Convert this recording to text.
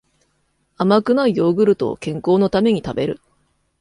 甘くないヨーグルトを健康のために食べる